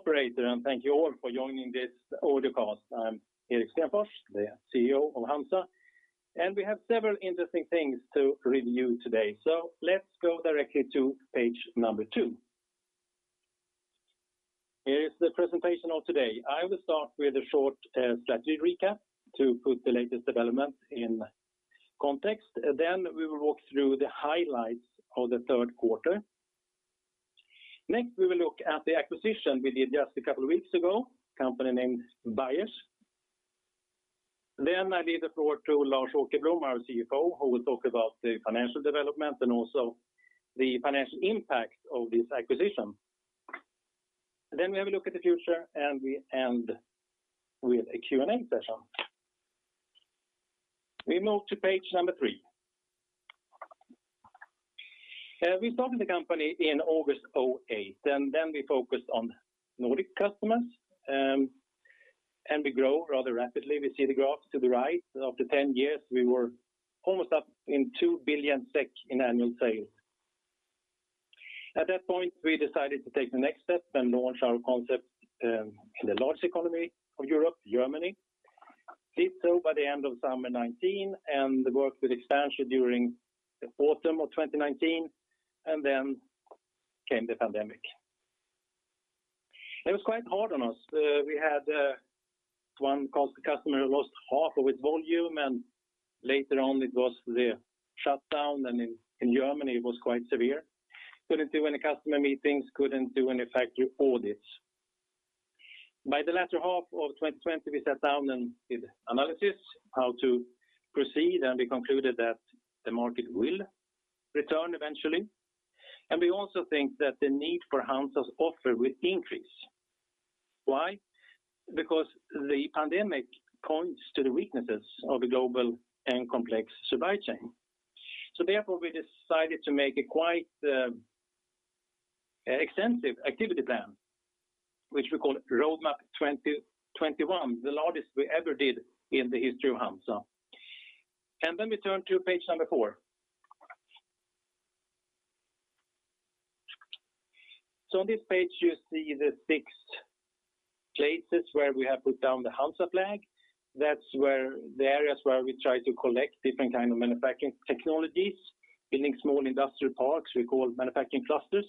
Operator, thank you all for joining this audio cast. I'm Erik Stenfors, the CEO of HANZA, and we have several interesting things to review today. Let's go directly to page number two. Here is the presentation of today. I will start with a short strategy recap to put the latest development in context. We will walk through the highlights of the third quarter. Next, we will look at the acquisition we did just a couple of weeks ago, a company named Beyers. I leave the floor to Lars Åkerblom, our CFO, who will talk about the financial development and also the financial impact of this acquisition. We have a look at the future, and we end with a Q&A session. We move to page number three. We started the company in August 2008. Then we focused on Nordic customers, and we grow rather rapidly. We see the graph to the right. After 10 years, we were almost up in 2 billion SEK in annual sales. At that point, we decided to take the next step and launch our concept in the large economy of Europe, Germany. Did so by the end of summer 2019, and the work with expansion during the autumn of 2019, then came the pandemic. It was quite hard on us. We had one customer who lost half of its volume, and later on it was the shutdown, and in Germany, it was quite severe. Couldn't do any customer meetings, couldn't do any factory audits. By the latter half of 2020, we sat down and did analysis how to proceed, and we concluded that the market will return eventually. We also think that the need for HANZA's offer will increase. Why? Because the pandemic points to the weaknesses of a global and complex supply chain. Therefore, we decided to make a quite extensive activity plan, which we call Roadmap 2021, the largest we ever did in the history of HANZA. Let me turn to page number four. On this page, you see the six places where we have put down the HANZA flag. That's where the areas where we try to collect different kind of manufacturing technologies, building small industrial parks we call manufacturing clusters.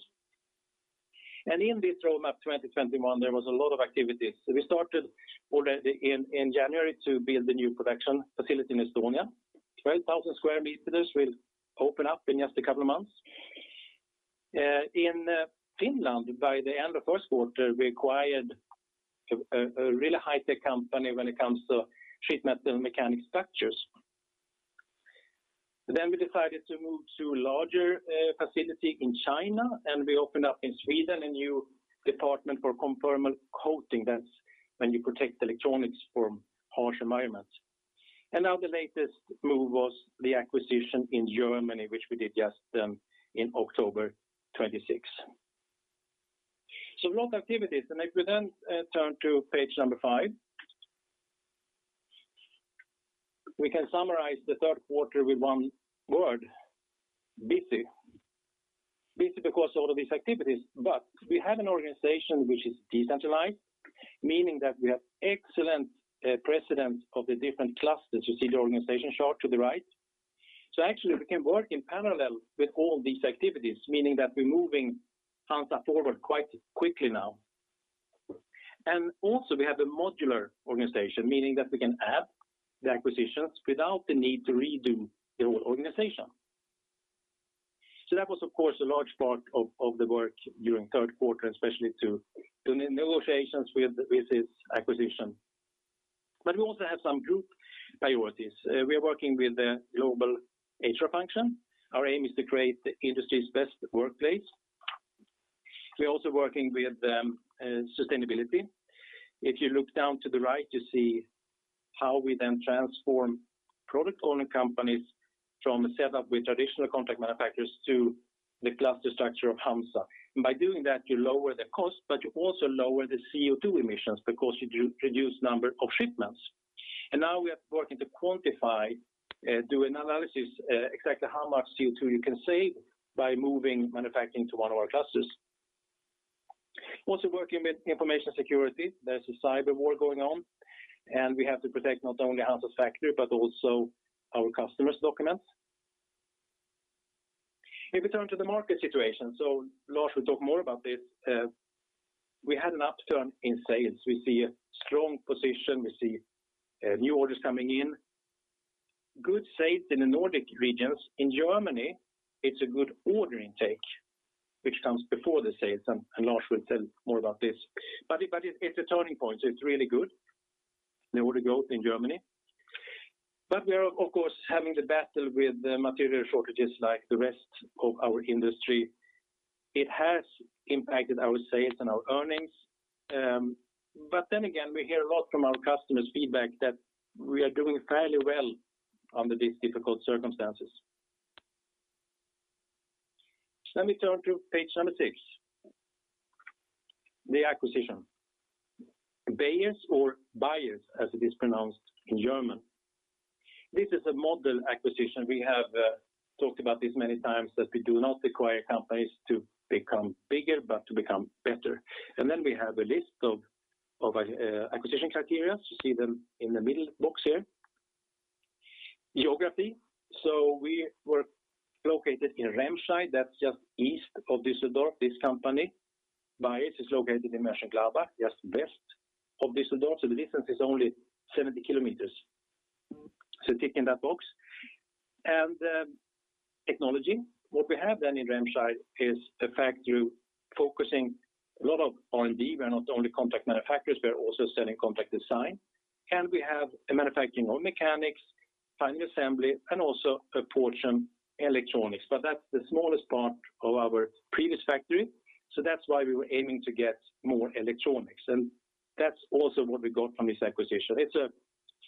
In this Roadmap 2021, there was a lot of activities. We started already in January to build a new production facility in Estonia. 12,000 sq m will open up in just a couple of months. In Finland, by the end of first quarter, we acquired a really high-tech company when it comes to treatment and mechanic structures. We decided to move to a larger facility in China, and we opened up in Sweden a new department for conformal coating. That's when you protect electronics from harsh environments. Now the latest move was the acquisition in Germany, which we did just in October 26. A lot of activities, and if we then turn to page five. We can summarize the third quarter with one word, busy. Busy because all of these activities. We have an organization which is decentralized, meaning that we have excellent presidents of the different clusters. You see the organization chart to the right. Actually, we can work in parallel with all these activities, meaning that we're moving HANZA forward quite quickly now. We have a modular organization, meaning that we can add the acquisitions without the need to redo the whole organization. That was, of course, a large part of the work during third quarter, especially to the negotiations with this acquisition. We also have some group priorities. We are working with the global HR function. Our aim is to create the industry's best workplace. We're also working with sustainability. If you look down to the right, you see how we then transform product-owner companies from a setup with traditional contract manufacturers to the cluster structure of HANZA. By doing that, you lower the cost, but you also lower the CO2 emissions because you do reduce number of shipments. Now we are working to do an analysis exactly how much CO2 you can save by moving manufacturing to one of our clusters. We are also working with information security. There's a cyber war going on, and we have to protect not only HANZA's factory, but also our customers' documents. If we turn to the market situation, Lars will talk more about this. We had an upturn in sales. We see a strong position. We see new orders coming in. Good sales in the Nordic regions. In Germany, it's a good order intake, which comes before the sales, and Lars will tell more about this. It's a turning point, so it's really good, the order growth in Germany. We are, of course, having the battle with the material shortages like the rest of our industry. It has impacted our sales and our earnings. Then again, we hear a lot from our customers' feedback that we are doing fairly well under these difficult circumstances. Let me turn to page number six. The acquisition. Beyers, as it is pronounced in German. This is a model acquisition. We have talked about this many times that we do not acquire companies to become bigger, but to become better. We have a list of acquisition criteria. You see them in the middle box here. Geography. We were located in Remscheid, that's just east of Düsseldorf, this company. Beyers is located in Mönchengladbach, just west of Düsseldorf, so the distance is only 70 km. Ticking that box. Technology. What we have then in Remscheid is a factory focusing a lot of R&D. We're not only contract manufacturers, we're also selling contract design. We have a manufacturing of mechanics, final assembly, and also a portion electronics. But that's the smallest part of our previous factory. That's why we were aiming to get more electronics. That's also what we got from this acquisition. It's a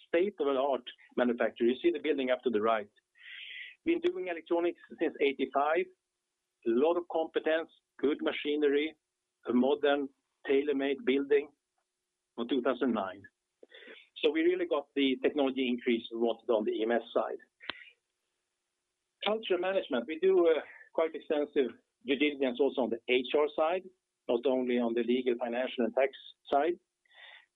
state-of-the-art manufacturer. You see the building up to the right. Been doing electronics since 1985. A lot of competence, good machinery, a modern tailor-made building from 2009. We really got the technology increase we wanted on the EMS side. Culture management. We do quite extensive due diligence also on the HR side, not only on the legal, financial and tax side,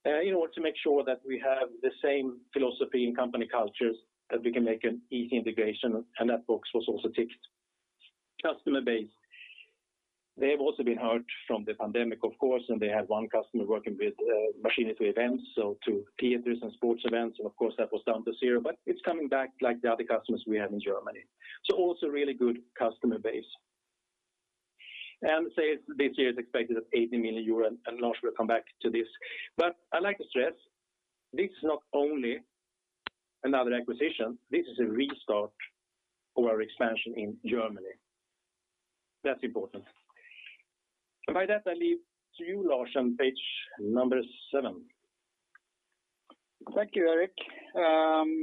in order to make sure that we have the same philosophy and company cultures that we can make an easy integration, and that box was also ticked. Customer base. They've also been hurt from the pandemic, of course, and they had one customer working with, machinery events, so to theaters and sports events, and of course that was down to zero. It's coming back like the other customers we have in Germany. Also really good customer base. Sales this year is expected at 80 million euros, and Lars Åkerblom will come back to this. I'd like to stress, this is not only another acquisition, this is a restart for our expansion in Germany. That's important. With that, I leave it to you, Lars, on page seven. Thank you, Erik.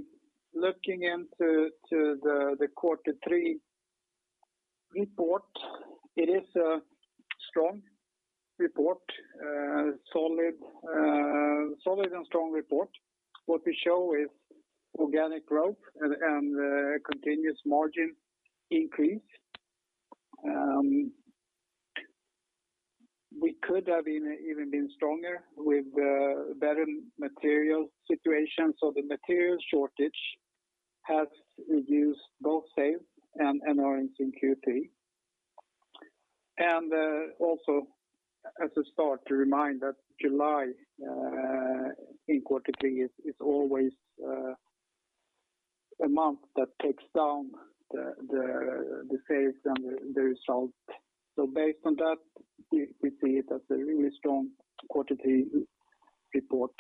Looking into the quarter three report, it is a strong report, solid and strong report. What we show is organic growth and continuous margin increase. We could have been even stronger with better material situation. The material shortage has reduced both sales and earnings in Q3. Also as a start to remind that July in quarter three is always a month that takes down the sales and the result. Based on that, we see it as a really strong quarter three report.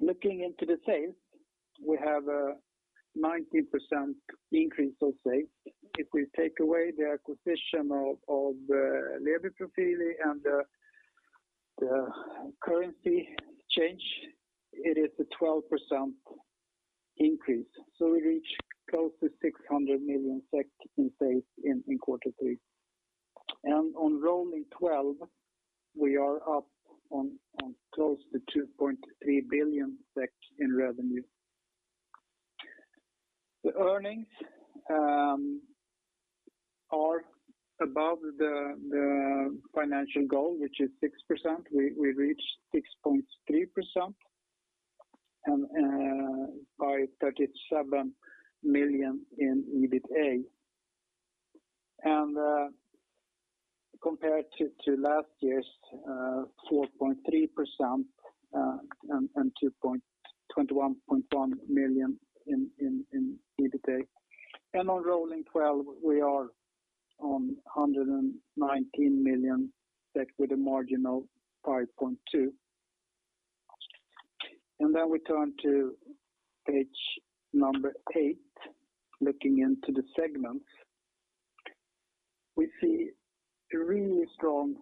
Looking into the sales, we have a 19% increase of sales. If we take away the acquisition of Levyprofiili and the currency change, it is a 12% increase. We reach close to 600 million SEK in sales in quarter three. On rolling 12, we are up on close to 2.3 billion in revenue. The earnings are above the financial goal, which is 6%. We reached 6.3% and by SEK 37 million in EBITA. Compared to last year's 4.3% and SEK 21.1 Million in EBITA. On rolling 12, we are on 119 million with a margin of 5.2%. Then we turn to page eight, looking into the segments. We see a really strong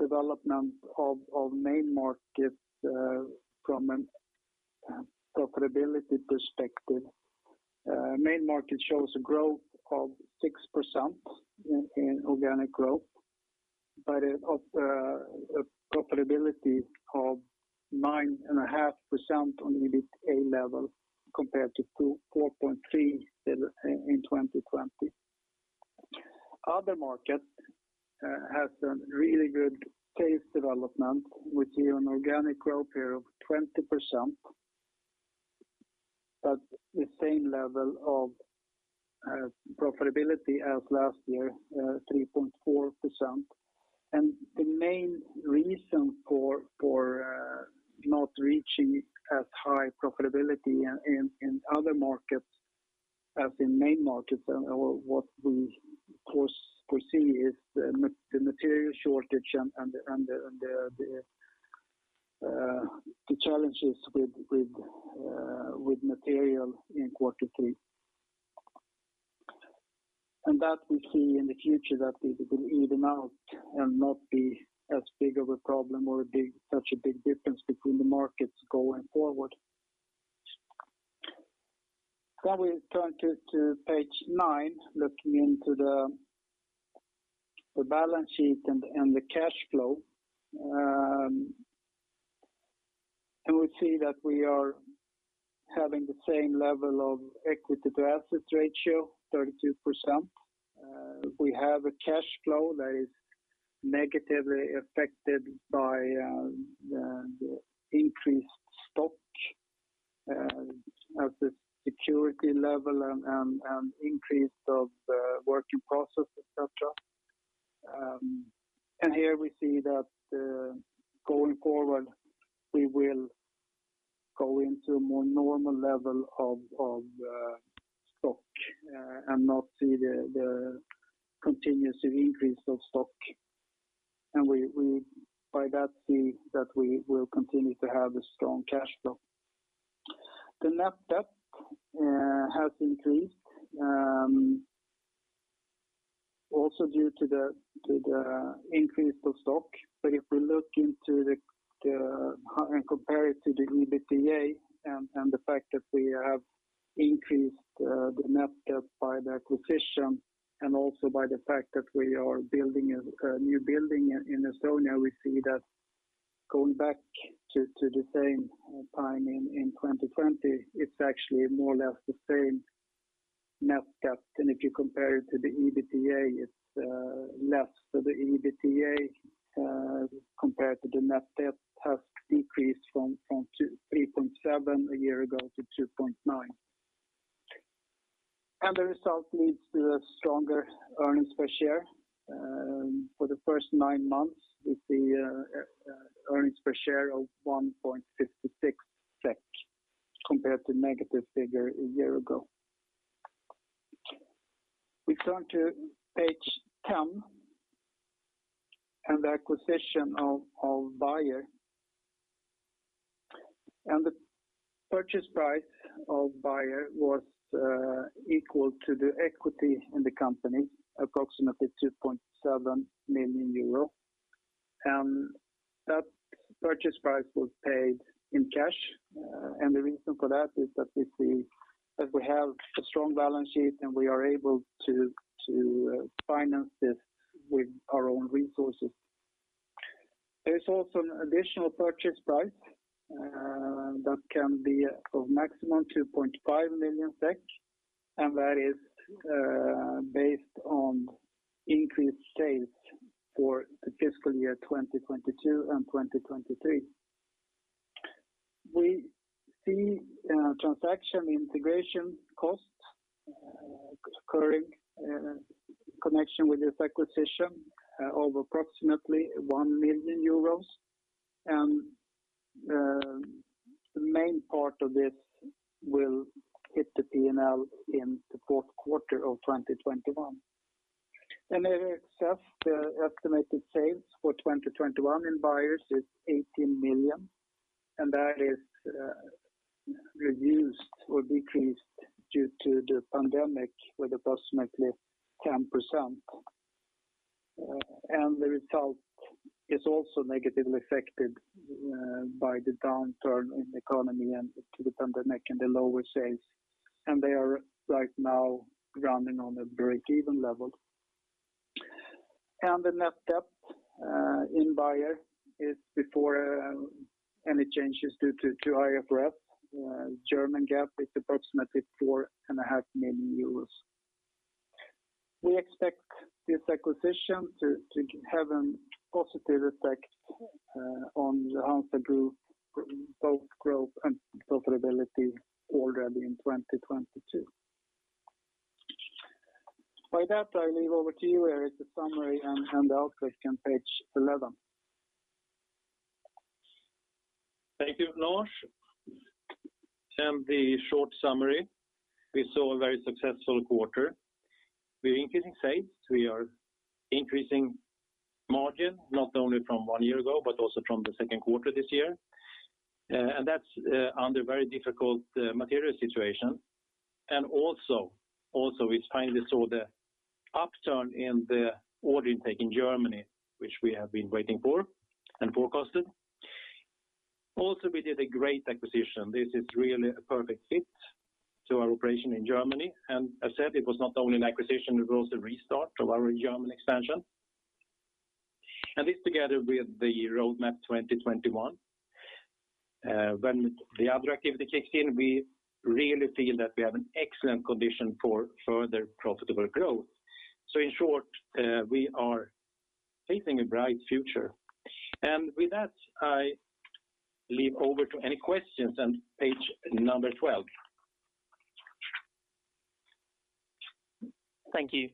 development of main market from a profitability perspective. Main Markets show a growth of 6% in organic growth, but of a profitability of 9.5% on EBITA level compared to 4.3% in 2020. Other Markets has a really good pace development. We see an organic growth here of 20%, but the same level of profitability as last year, 3.4%. The main reason for not reaching as high profitability in other markets as in Main Markets and what we foresee is the material shortage and the challenges with material in quarter three. That we see in the future that it will even out and not be as big of a problem or such a big difference between the markets going forward. We turn to page nine, looking into the balance sheet and the cash flow. We see that we are having the same level of equity to assets ratio, 32%. We have a cash flow that is negatively affected by the increased stock at the subsidiary level and increase in work in process, et cetera. Here we see that going forward, we will go into a more normal level of stock and not see the continuous increase of stock. We thereby see that we will continue to have a strong cash flow. The net debt has increased also due to the increase of stock. If we look into the EBITDA and the fact that we have increased the net debt by the acquisition and also by the fact that we are building a new building in Estonia, we see that going back to the same time in 2020, it's actually more or less the same net debt. If you compare it to the EBITDA, it's less. The EBITDA compared to the net debt has decreased from 3.7 a year ago to 2.9. The result leads to a stronger earnings per share. For the first nine months, we see earnings per share of 1.56 SEK compared to negative figure a year ago. We turn to page 10 and the acquisition of Beyers. The purchase price of Beyers was equal to the equity in the company, approximately 2.7 million euro. That purchase price was paid in cash. The reason for that is that we see that we have a strong balance sheet, and we are able to finance this with our own resources. There's also an additional purchase price that can be of maximum 2.5 million SEK, and that is based on increased sales for the fiscal year 2022 and 2023. We see transaction integration costs occurring in connection with this acquisition of approximately 1 million euros. The main part of this will hit the P&L in the fourth quarter of 2021. The expected estimated sales for 2021 in Beyers is 18 million, and that is reduced or decreased due to the pandemic with approximately 10%. The result is also negatively affected by the downturn in the economy due to the pandemic and the lower sales. They are right now running on a break-even level. The net debt in Beyers under German GAAP is approximately EUR 4.5 million before any changes due to IFRS. We expect this acquisition to have a positive effect on the HANZA Group, both growth and profitability already in 2022. With that, I hand over to you, Erik, the summary and the outlook on page 11. Thank you, Lars. The short summary, we saw a very successful quarter. We're increasing sales. We are increasing margin, not only from one year ago but also from the second quarter this year, and that's under very difficult material situation. Also, we finally saw the upturn in the order intake in Germany, which we have been waiting for and forecasted. Also, we did a great acquisition. This is really a perfect fit to our operation in Germany. As said, it was not only an acquisition, it was a restart of our German expansion. This together with the Roadmap 2021, when the other activity kicks in, we really feel that we have an excellent condition for further profitable growth. In short, we are facing a bright future. With that, I leave over to any questions on page number 12. Thank you.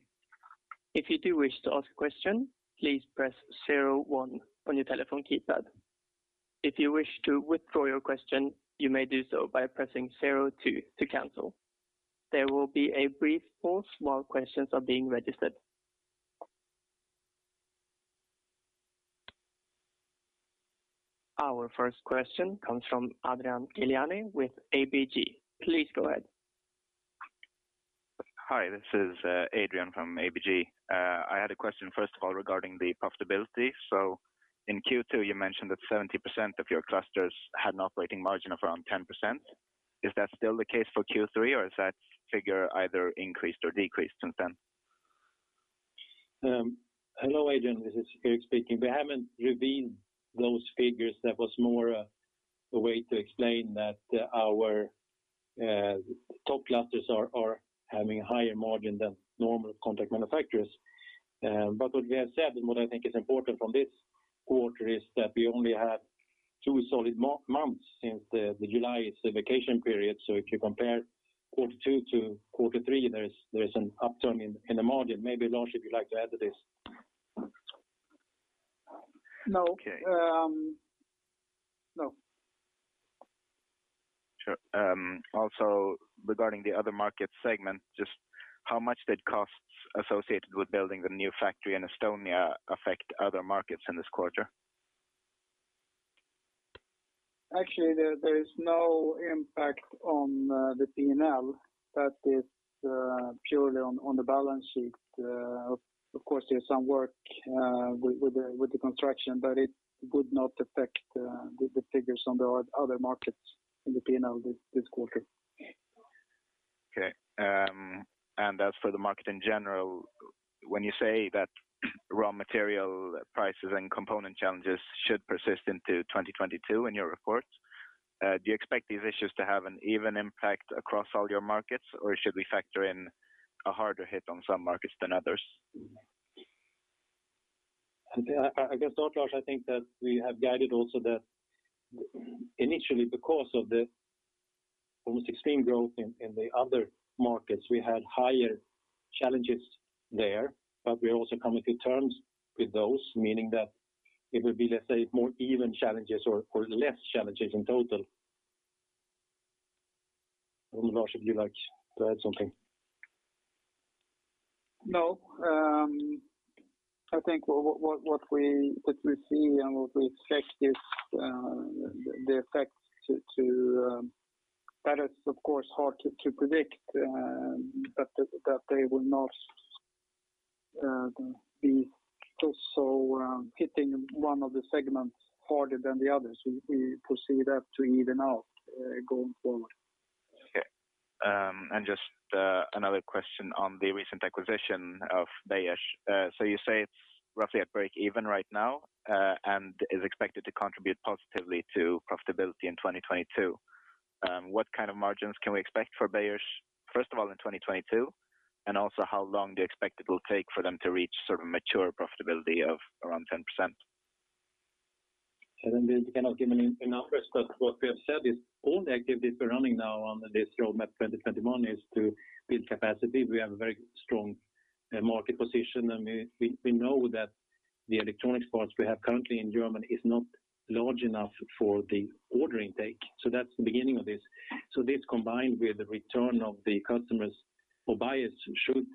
If you do wish to ask a question, please press zero one on your telephone keypad. If you wish to withdraw your question, you may do so by pressing zero two to cancel. There will be a brief pause while questions are being registered. Our first question comes from Adrian Gilani with ABG. Please go ahead. Hi, this is Adrian from ABG. I had a question, first of all, regarding the profitability. In Q2, you mentioned that 70% of your clusters had an operating margin of around 10%. Is that still the case for Q3 or has that figure either increased or decreased since then? Hello, Adrian, this is Erik speaking. We haven't revealed those figures. That was more a way to explain that our top clusters are having higher margin than normal contract manufacturers. But what we have said, and what I think is important from this quarter is that we only had two solid months since July is the vacation period. If you compare quarter two to quarter three, there is an upturn in the margin. Maybe Lars, if you'd like to add to this. No. Okay. No. Sure. Also regarding the other market segment, just how much did costs associated with building the new factory in Estonia affect other markets in this quarter? Actually, there is no impact on the P&L. That is purely on the balance sheet. Of course, there's some work with the construction, but it would not affect the figures on the other markets in the P&L this quarter. Okay. As for the market in general, when you say that raw material prices and component challenges should persist into 2022 in your report, do you expect these issues to have an even impact across all your markets? Or should we factor in a harder hit on some markets than others? I guess, Lars, I think that we have guided also that initially, because of the almost extreme growth in the other markets, we had higher challenges there, but we're also coming to terms with those, meaning that it will be, let's say, more even challenges or less challenges in total. I don't know, Lars, if you'd like to add something? No. I think what we see and what we expect is. That is, of course, hard to predict, but that they will not be also hitting one of the segments harder than the others. We foresee that to even out going forward. Just another question on the recent acquisition of Beyers. So you say it's roughly at break even right now, and is expected to contribute positively to profitability in 2022. What kind of margins can we expect for Beyers, first of all in 2022, and also how long do you expect it will take for them to reach sort of mature profitability of around 10%? I mean, we cannot give any numbers, but what we have said is all the activities we're running now on this Roadmap 2021 is to build capacity. We have a very strong market position, and we know that the electronics parts we have currently in Germany is not large enough for the order intake. That's the beginning of this. This combined with the return of the customers for Beyers should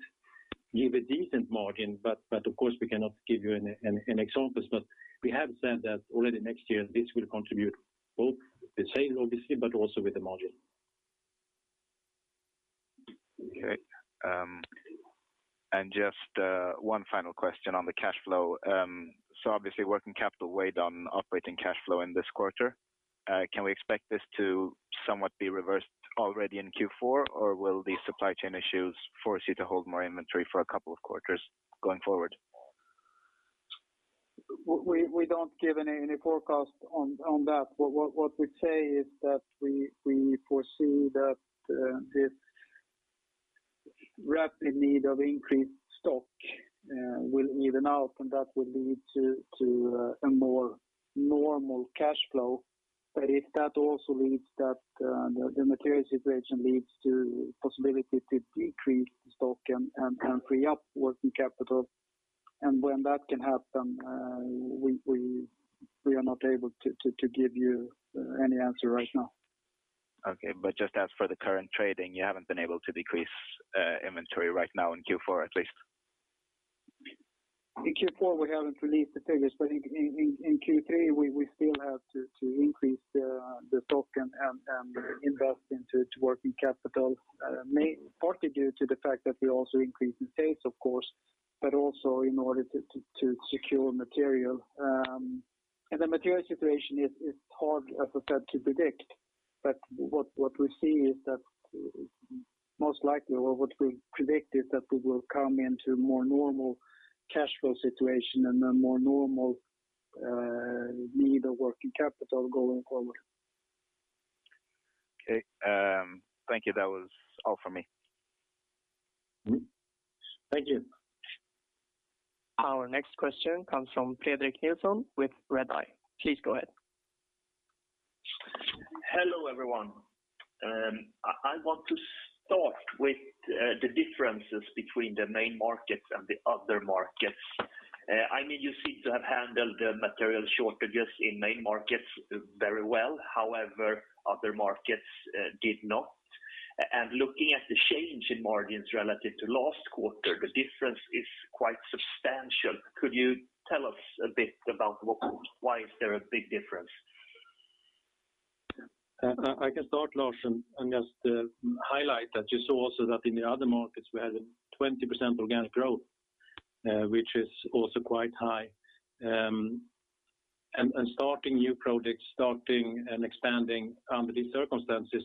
give a decent margin. Of course, we cannot give you an example. We have said that already next year this will contribute both the sales obviously, but also with the margin. Okay. Just one final question on the cash flow. Obviously working capital weighed on operating cash flow in this quarter. Can we expect this to somewhat be reversed already in Q4, or will the supply chain issues force you to hold more inventory for a couple of quarters going forward? We don't give any forecast on that. What we say is that we foresee that this rapid need of increased stock will even out, and that will lead to a more normal cash flow. If that also leads that the material situation leads to possibility to decrease stock and free up working capital, and when that can happen, we are not able to give you any answer right now. Okay. Just as for the current trading, you haven't been able to decrease inventory right now in Q4, at least? In Q4, we haven't released the figures, but in Q3, we still have to increase the stock and invest into working capital, partly due to the fact that we're also increasing sales, of course, but also in order to secure material. The material situation is hard, as I said, to predict. What we see is that most likely or what we predict is that we will come into more normal cash flow situation and a more normal need of working capital going forward. Okay. Thank you. That was all for me. Thank you. Our next question comes from Fredrik Nilsson with Redeye. Please go ahead. Hello, everyone. I want to start with the differences between the main markets and the other markets. I mean, you seem to have handled the material shortages in main markets very well, however, other markets did not. Looking at the change in margins relative to last quarter, the difference is quite substantial. Could you tell us a bit about why is there a big difference? I can start, Lars, and just highlight that you saw also that in the other markets, we had a 20% organic growth, which is also quite high. Starting new projects and expanding under these circumstances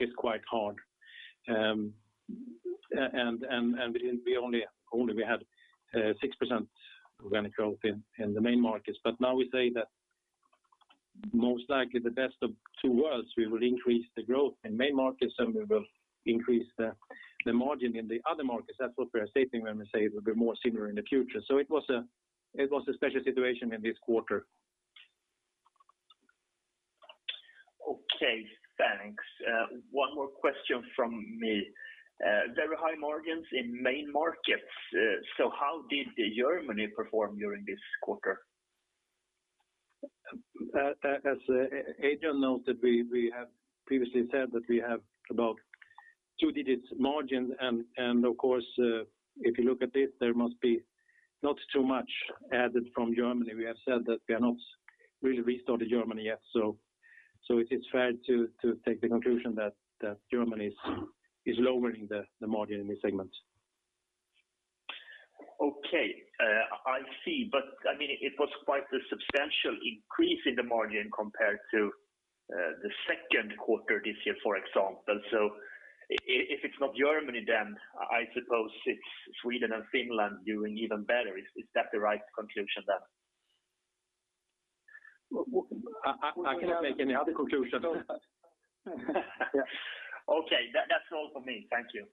is quite hard. We only had 6% organic growth in the main markets. Now we say that most likely the best of both worlds, we will increase the growth in main markets, and we will increase the margin in the other markets. That's what we are stating when we say it will be more similar in the future. It was a special situation in this quarter. Okay, thanks. One more question from me. Very high margins in main markets. How did Germany perform during this quarter? As Adrian noted, we have previously said that we have about two digits margin. Of course, if you look at this, there must be not too much added from Germany. We have said that we are not really restored in Germany yet. It is fair to take the conclusion that Germany is lowering the margin in this segment. Okay. I see. I mean, it was quite a substantial increase in the margin compared to the second quarter this year, for example. If it's not Germany, then I suppose it's Sweden and Finland doing even better. Is that the right conclusion then? I cannot make any other conclusion. Okay, that's all for me. Thank you.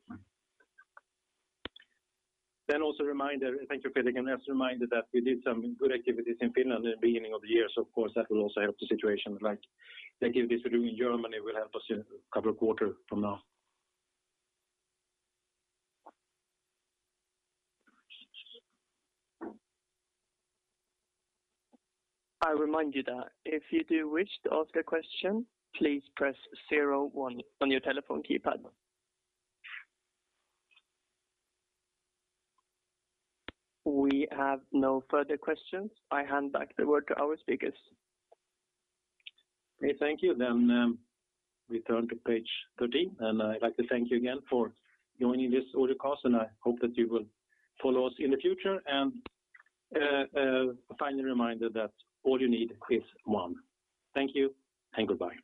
Also a reminder. Thank you, Fredrik. Just a reminder that we did some good activities in Finland in the beginning of the year. Of course, that will also help the situation. Like, if this we do in Germany will help us in a couple of quarters from now. I remind you that if you do wish to ask a question, please press zero one on your telephone keypad. We have no further questions. I hand back the word to our speakers. Okay, thank you. We turn to page 13, and I'd like to thank you again for joining this audio cast, and I hope that you will follow us in the future. Final reminder that all you need is one. Thank you and goodbye.